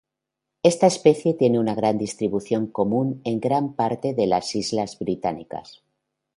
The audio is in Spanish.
Esta especie tiene una distribución común en gran parte de las islas británicas.